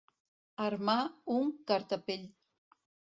Armar un cartapell.